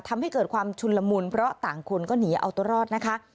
ทำให้เกิดความชุนละมุนเพราะต่างคนก็หนีเอาตัวรอดนะคะ